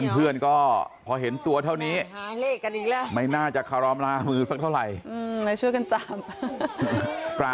เพื่อนก็พอเห็นตัวเท่านี้ไม่น่าจะคารอมรามือสักเท่าไหร่